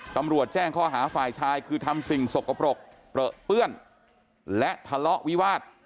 ตำรวจแจ้งข้อหาฝ่ายชายคือทำสิ่งสกปรกเปลือเปื้อนและทะเลาะวิวาส